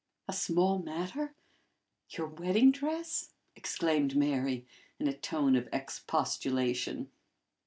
"A small matter? Your wedding dress!" exclaimed Mary, in a tone of expostulation.